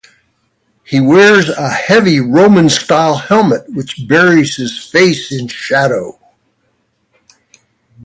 He wears a heavy Roman-style helmet which buries his face in shadow.